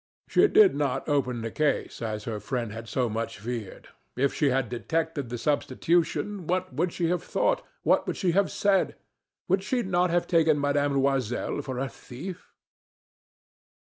She did not open the case, as her friend had so much feared. If she had detected the substitution, what would she have thought, what would she have said? Would she not have taken Mme. Loisel for a thief?